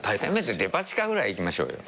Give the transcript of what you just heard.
せめてデパ地下ぐらい行きましょうよ。